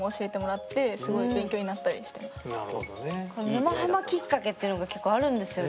「沼ハマ」きっかけっていうのが結構あるんですよね。